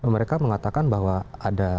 mereka mengatakan bahwa ada